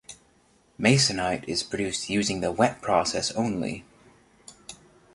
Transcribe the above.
Masonite is produced using the wet process only.